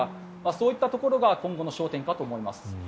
そういったところが今後の焦点かと思います。